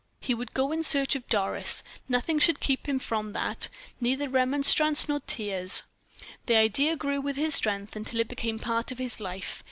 He would go in search of Doris; nothing should keep him from that; neither remonstrance nor tears. The idea grew with his strength, until it became part of his life.